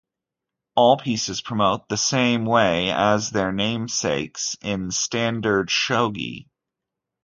All pieces promote the same way as their namesakes in standard shogi.